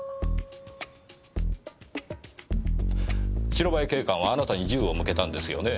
白バイ警官はあなたに銃を向けたんですよね？